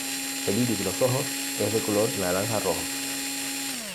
El iris de los ojos es de color naranja-rojo.